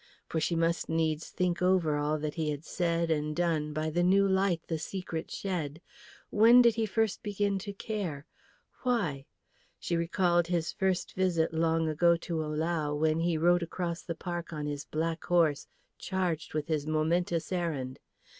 For she must needs think over all that he had said and done by the new light the secret shed. When did he first begin to care? Why? She recalled his first visit long ago to Ohlau, when he rode across the park on his black horse charged with his momentous errand.